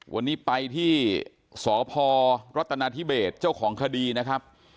วันนี้ไปที่สพรัฐนาธิเบสเจ้าของคดีนะครับ